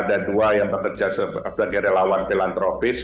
ada dua yang bekerja sebagai relawan filantropis